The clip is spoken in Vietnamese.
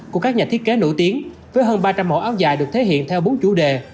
của các nhà thiết kế nổi tiếng với hơn ba trăm linh mẫu áo dài được thể hiện theo bốn chủ đề